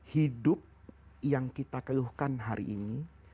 hidup yang kita keluhkan hari ini